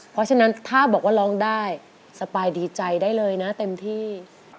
เพราะฉะนั้นถ้าบอกว่าร้องได้สปายดีใจได้เลยนะเต็มที่